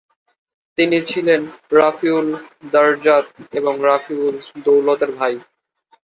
তিনি ছিলেন রাফি উল-দারজাত এবং রাফি উদ-দৌলতের ভাই।